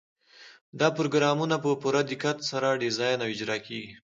دا پروګرامونه په پوره دقت سره ډیزاین او اجرا کیږي.